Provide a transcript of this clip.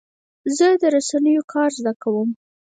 زه د رسنیو کار زده کوم.